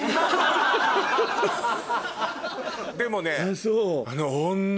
でもね。